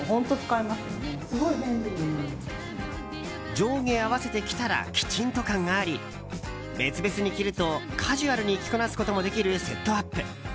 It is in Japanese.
上下合わせて着たらきちんと感があり別々に着ると、カジュアルに着こなすこともできるセットアップ。